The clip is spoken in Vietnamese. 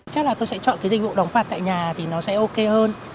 chắc là tôi sẽ chọn cái dịch vụ đóng phạt tại nhà thì nó sẽ ok hơn